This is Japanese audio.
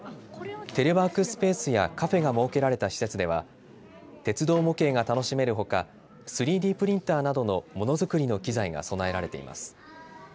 テレワークスペースやカフェが設けられた施設では鉄道模型が楽しめるほか３Ｄプリンターなどのものづくりの器材が備えられています。